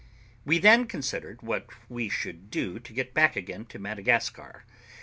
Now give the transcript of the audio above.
We then considered what we should do to get back again to Madagascar.